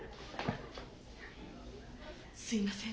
すいません。